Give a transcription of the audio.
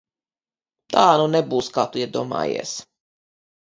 Tā nu nebūs, kā Tu iedomājies!